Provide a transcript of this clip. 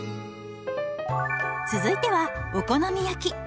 続いてはお好み焼き。